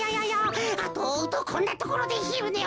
あとをおうとこんなところでひるねを。